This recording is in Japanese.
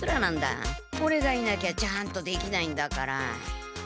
オレがいなきゃちゃんとできないんだから。